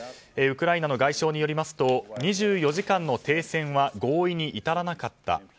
ウクライナの外相によりますと２４時間の停戦は合意に至らなかった。